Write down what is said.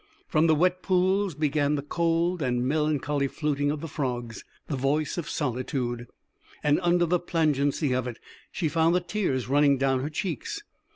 From the wet pools began the cold and melancholy fluting of the frogs, the voice of solitude, and under the plangency of it she found the tears running down her cheeks.